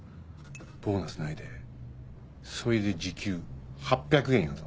ボーナスないでそいで時給８００円やぞ。